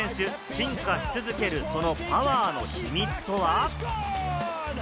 進化し続けるそのパワーの秘密とは？